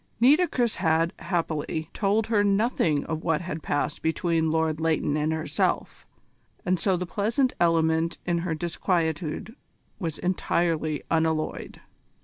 Nitocris had, happily, told her nothing of what had passed between Lord Leighton and herself, and so the pleasant element in her disquietude was entirely unalloyed.